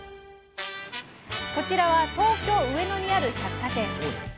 こちらは東京上野にある百貨店。